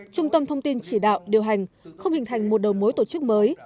trung tâm thông tin chỉ đạo điều hành không hình thành một đầu mối tổ chức mới